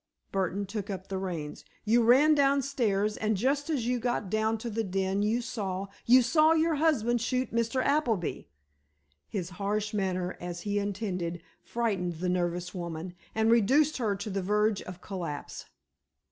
Burdon took up the reins. "You ran downstairs, and just as you got down to the den you saw—you saw your husband shoot Mr. Appleby!" His harsh manner, as he intended, frightened the nervous woman, and reduced her to the verge of collapse.